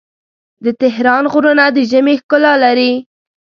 د تهران غرونه د ژمي ښکلا لري.